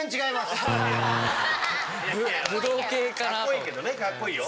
カッコいいけどねカッコいいよ。